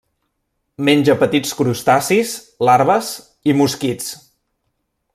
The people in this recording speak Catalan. Menja petits crustacis, larves i mosquits.